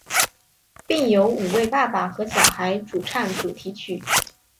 并由五位爸爸和小孩主唱主题曲。